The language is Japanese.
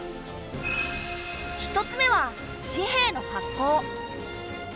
１つ目は紙幣の発行。